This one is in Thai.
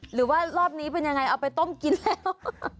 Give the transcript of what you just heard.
หรือว่ารอบนี้เป็นยังไงเอาไปต้มกินแล้ว